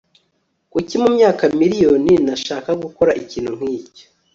kuki mumyaka miriyoni nashaka gukora ikintu nkicyo